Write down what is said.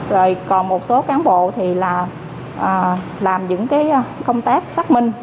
rồi còn một số cán bộ thì là làm những cái công tác xác minh